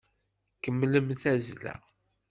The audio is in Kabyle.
Kemmlem tazzla!